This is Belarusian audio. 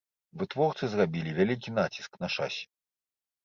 Вытворцы зрабілі вялікі націск на шасі.